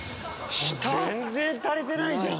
全然足りてないじゃん！